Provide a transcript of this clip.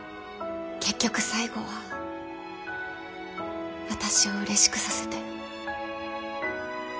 結局最後は私をうれしくさせて。